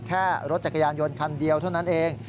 แค่รถจักรยานยนต์คันเดียวเท่านั้นเอง